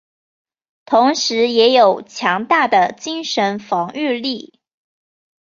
同时也有强大的精神防御力。